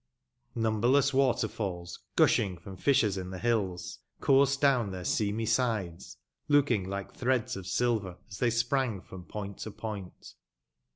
Numberless waterfalls, gushing from fissures in the hüls, coursed down their seamy sides, lookmg Hke threads of silver as they sprang from point to point.